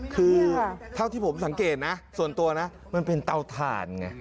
คือเท่าที่ผมสังเกตนะส่วนตัวนะมันเป็นเตาถ่านไง